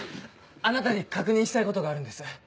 あなたに確認したいことがあるんです。